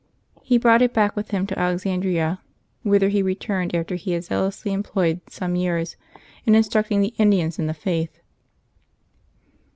He brought it back with him to Alexandria, whither he returned after he had zealously employed some years in instructing the Indians in the faith.